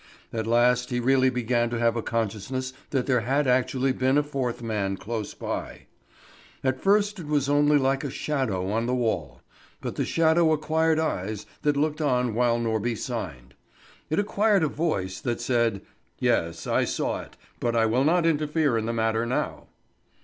At last he really began to have a consciousness that there had actually been a fourth man close by. At first it was only like a shadow on the wall; but the shadow acquired eyes that looked on while Norby signed. It acquired a voice that said: "Yes, I saw it; but I will not interfere in the matter now."